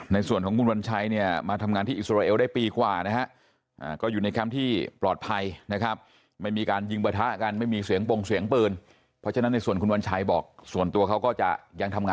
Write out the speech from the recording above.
แต่ช่วงนี้ก็ยังกลับไม่ได้ครับเพราะว่ายังไม่มีหน่วยงานที่เข้ามา